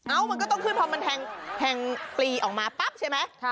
มันก็ต้องขึ้นพอมันแทงปลีออกมาปั๊บใช่ไหม